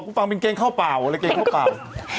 เหมือนว่าเราจะสอบอะไรอย่างเงี้ย